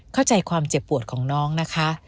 เข้าใจความเจ็บปวดของน้องนะคะ